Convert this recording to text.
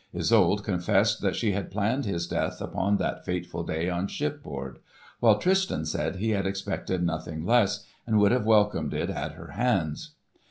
Isolde confessed that she had planned his death upon that fateful day on shipboard; while Tristan said he had expected nothing less, and would have welcomed it at her hands.